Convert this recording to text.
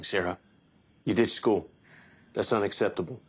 はい。